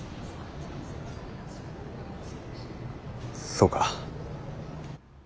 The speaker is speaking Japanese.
そうか。